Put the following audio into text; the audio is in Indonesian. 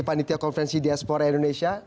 panitia konvensi diaspora indonesia